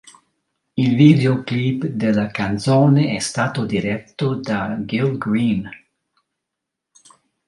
Il videoclip della canzone è stato diretto da Gil Green.